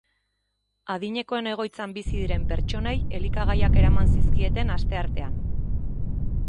Adinekoen egoitzan bizi diren pertsonei elikagaiak eraman zizkieten asteartean.